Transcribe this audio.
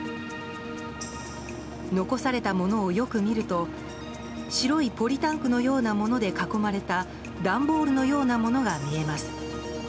残されたものをよく見ると白いポリタンクのようなもので囲まれた段ボールのようなものが見えます。